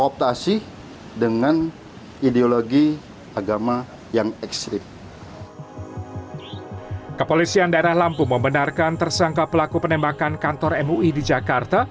menjelaskan ketika penembakan terjadi